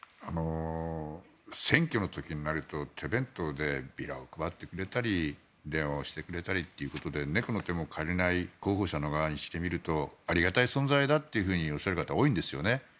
選挙の時になると手弁当でビラを配ってくれたり電話をしてくれたりということで猫の手も借りたい候補者側にしてみるとありがたい存在だっておっしゃる方が多いんですよね。